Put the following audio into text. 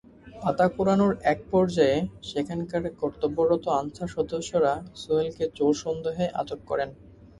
পাতা কুড়ানোর একপর্যায়ে সেখানকার কর্তব্যরত আনসার সদস্যরা সোহেলকে চোর সন্দেহে আটক করেন।